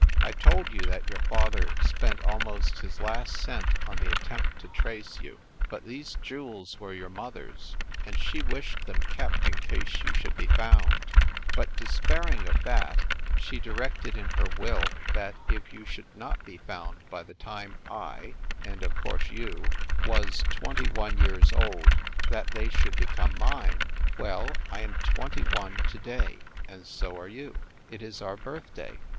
"I told you that your father spent almost his last cent on the attempt to trace you, but these jewels were your mother s, and she wished them kept in case you should be found. But, THE BREWSTER MANSION 323 despairing of that, she directed in her will that, if you should not be found by the time I (and of course you) was twenty one years old, that they should become mine. Well, I am twenty one to day and so are you. It is our birthday!"